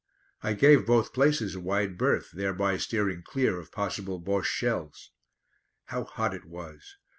I gave both places a wide berth, thereby steering clear of possible Bosche shells. How hot it was.